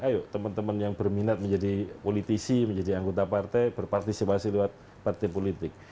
ayo teman teman yang berminat menjadi politisi menjadi anggota partai berpartisipasi lewat partai politik